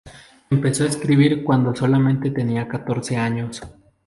Empezó a escribir cuando solamente tenía catorce años.